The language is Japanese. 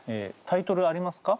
タイトルありますか？